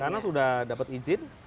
karena sudah dapat izin